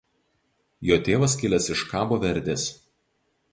Jo tėvas kilęs iš Kabo Verdės.